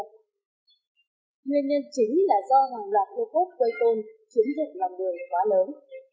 nguyên nhân chính là do hàng loạt lô cốt quê tôn chiếm dụng lòng đường quá lớn